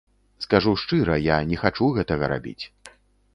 Скажу шчыра, я не хачу гэтага рабіць.